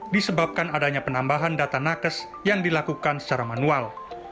disebabkan adanya penambahan data nakes yang dilakukan secara manual